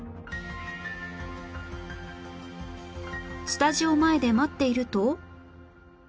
スタジオ前で待っていると